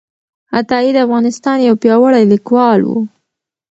عطايي د افغانستان یو پیاوړی لیکوال و.